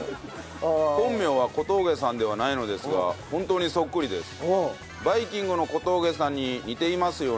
本名は「小峠さん」ではないのですがホントにそっくりです。